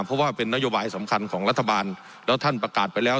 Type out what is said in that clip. เพราะว่าเป็นนโยบายสำคัญของรัฐบาลแล้วท่านประกาศไปแล้ว